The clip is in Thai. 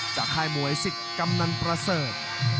ค่ายมวยสิทธิ์กำนันประเสริฐ